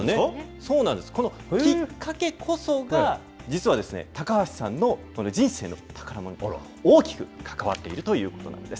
そうなんです、このきっかけこそが、実はですね、高橋さんの人生の宝ものと大きく関わっているということなんです。